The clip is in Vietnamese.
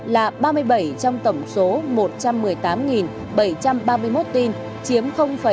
là ba mươi bảy trong tổng số một trăm một mươi tám bảy trăm ba mươi một tin chiếm bảy mươi